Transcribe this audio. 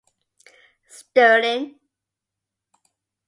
Sterling.